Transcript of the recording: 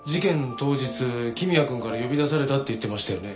当日公也くんから呼び出されたって言ってましたよね？